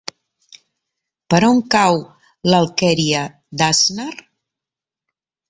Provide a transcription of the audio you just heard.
Per on cau l'Alqueria d'Asnar?